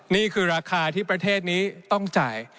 นี่คือราคาที่ประเทศนี้ต้องจ่าย